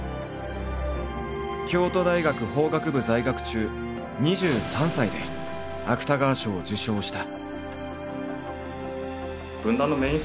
京都大学法学部在学中２３歳で芥川賞を受賞した。